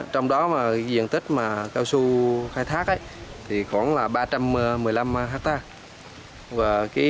trong đó diện tích cao su khai thác khoảng ba trăm một mươi năm ha